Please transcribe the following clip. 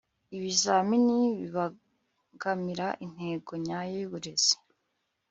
ibizamini bibangamira intego nyayo yuburezi